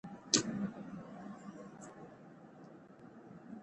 مور د ماشومانو د فزیکي او رواني ودې پام ساتي.